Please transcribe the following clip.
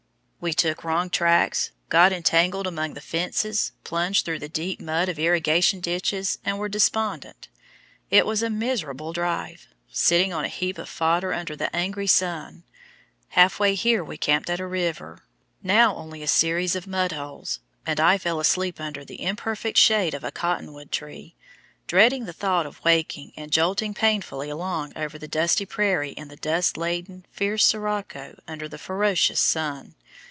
We took wrong tracks, got entangled among fences, plunged through the deep mud of irrigation ditches, and were despondent. It was a miserable drive, sitting on a heap of fodder under the angry sun. Half way here we camped at a river, now only a series of mud holes, and I fell asleep under the imperfect shade of a cotton wood tree, dreading the thought of waking and jolting painfully along over the dusty prairie in the dust laden, fierce sirocco, under the ferocious sun.